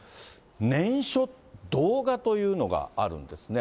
念書、動画というのがあるんですね。